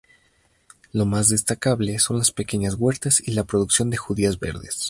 Lo más destacable son las pequeñas huertas y la producción de judías verdes.